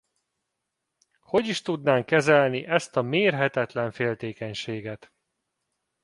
Hogy is tudnánk kezelni ezt a mérhetetlen féltékenységet?